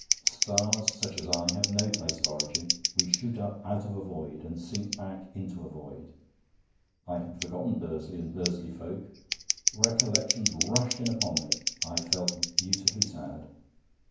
Stars such as I have no place of origin. We shoot up out of a void, and sink back into a void. I had forgotten Bursley and Bursley folk. Recollections rushed in upon me.... I felt beautifully sad.